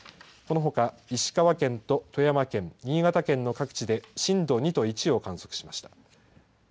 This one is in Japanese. そのほか石川県と富山県新潟県の各地で震度２と１を観測しました。